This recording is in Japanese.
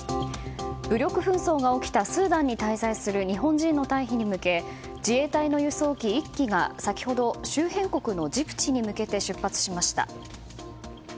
武力紛争が起きたスーダンに滞在する日本人の退避に向け自衛隊の輸送機１機が先ほど、周辺国のジブチに向けて出発しました。